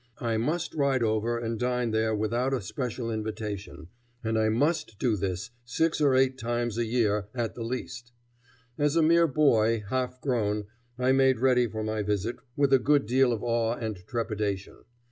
I must ride over and dine there without a special invitation, and I must do this six or eight times a year at the least. As a mere boy, half grown, I made ready for my visit with a good deal of awe and trepidation.